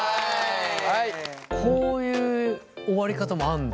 こういう終わり方もあんの。